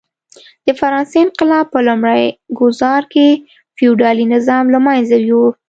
د فرانسې انقلاب په لومړي ګوزار کې فیوډالي نظام له منځه یووړ.